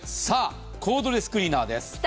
さあ、コードレスクリーナーです。